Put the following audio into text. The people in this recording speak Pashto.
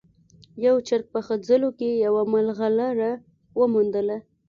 یو چرګ په خځلو کې یوه ملغلره وموندله.